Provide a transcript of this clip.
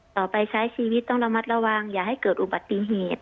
ใช้ชีวิตต้องระมัดระวังอย่าให้เกิดอุบัติเหตุ